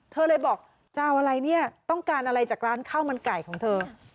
เธอเลยบอกจะเอาอะไรเนี่ยต้องการอะไรจากร้านข้าวมันไก่ของเธอ